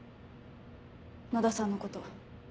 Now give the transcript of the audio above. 野田さんのこと。